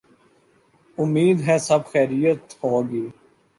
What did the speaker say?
امید ہے سب خیریت ہو گی۔